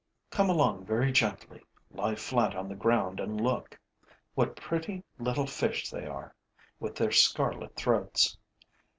Come along very gently, lie flat on the ground and look. What pretty little fish they are, with their scarlet throats!